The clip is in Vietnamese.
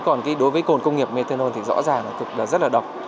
còn đối với cồn công nghiệp methanol thì rõ ràng là rất là độc